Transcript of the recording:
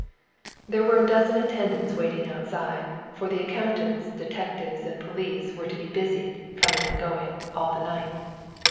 There were a dozen attendants waiting outside, for the accountants, detectives and police were to be busied, coming and going, all the night.